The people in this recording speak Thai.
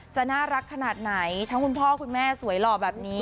จะน่ารักขนาดไหนทั้งคุณพ่อคุณแม่สวยหล่อแบบนี้